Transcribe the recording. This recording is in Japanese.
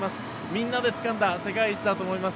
みんなでつかんだ世界一だと思います。